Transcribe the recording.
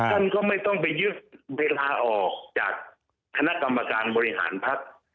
ท่านก็ไม่ต้องไปยื่นไปลาออกจากคณะกรรมการบริหารภาค